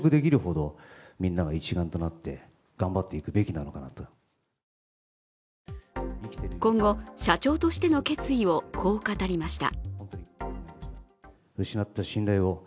そう問われると今後、社長としての決意をこう語りました。